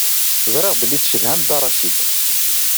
Ẓriɣ belli tcedham Dda Racid.